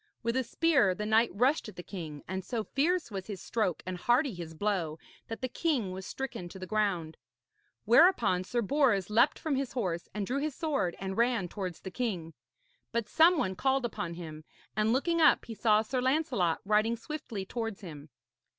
With a spear the knight rushed at the king, and so fierce was his stroke and hardy his blow that the king was stricken to the ground. Whereupon Sir Bors leapt from his horse and drew his sword and ran towards the king. But some one called upon him, and looking up he saw Sir Lancelot riding swiftly towards him.